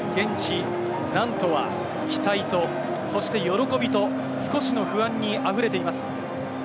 現地・ナントは期待と喜びと少しの不安にあふれています。